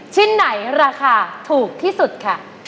ชิ้นไหนราคาถูกที่สุดค่ะ